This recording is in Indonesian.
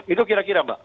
itu kira kira mbak